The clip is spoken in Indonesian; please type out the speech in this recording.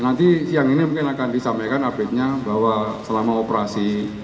nanti siang ini mungkin akan disampaikan update nya bahwa selama operasi